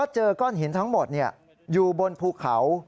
เจอก้อนหินทั้งหมดอยู่บนภูเขา